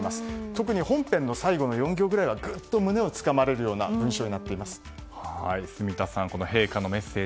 特に本編の最後の４行くらいはぐっと胸をつかまれるような住田さん